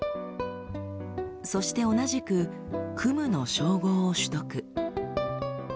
そして同じく「クム」の称号を取得。